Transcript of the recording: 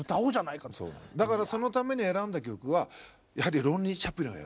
だからそのために選んだ曲はやはり「ロンリー・チャップリン」を。